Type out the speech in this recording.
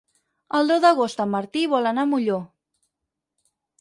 El deu d'agost en Martí vol anar a Molló.